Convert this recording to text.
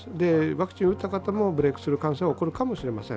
ワクチンを打った方もブレークスルー感染は起こるかもしれません。